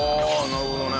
なるほどね。